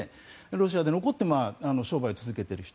ロシアで残って商売を続けている人。